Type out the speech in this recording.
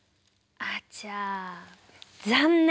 あちゃ残念！